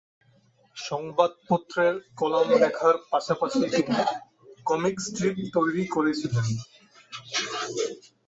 সংবাদপত্রের কলাম লেখার পাশাপাশি তিনি কমিক স্ট্রিপ তৈরি করেছিলেন।